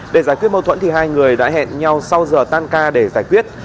để giải quyết mâu thuẫn thì hai người đã hẹn nhau sau giờ tan ca để giải quyết